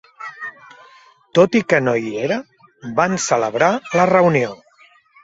Tot i que no hi era, van celebrar la reunió.